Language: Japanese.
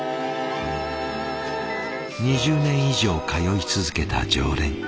２０年以上通い続けた常連。